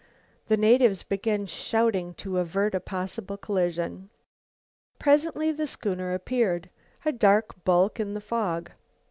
The natives began shouting to avert a possible collision. Presently the schooner appeared, a dark bulk in the fog.